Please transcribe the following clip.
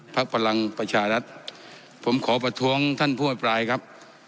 พลังประชารัฐผมขอประท้วงท่านผู้อภิปรายครับ